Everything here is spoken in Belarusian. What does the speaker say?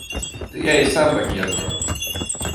Ды, я і сам так езджу.